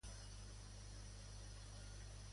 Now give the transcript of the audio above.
Quin any va debutar el Cabaret de John Kander i Fred Ebb?